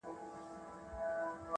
• سپی ناجوړه سو او مړ سو ناګهانه,